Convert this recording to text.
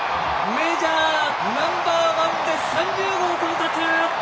メジャーナンバーワンで３０号到達！